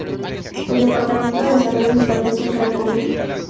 El departamento de Desarrollo se estableció en Cracovia.